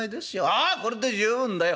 「ああこれで十分だよ」。